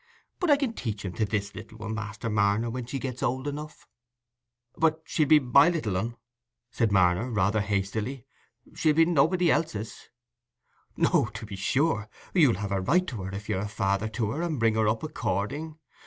But I can teach 'em this little un, Master Marner, when she gets old enough." "But she'll be my little un," said Marner, rather hastily. "She'll be nobody else's." "No, to be sure; you'll have a right to her, if you're a father to her, and bring her up according.